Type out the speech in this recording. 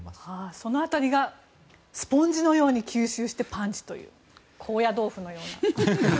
その辺りがスポンジのように吸収したパンチという高野豆腐のような。